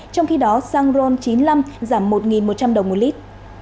trong khi đó xăng ron chín mươi năm giảm một một trăm linh đồng một lít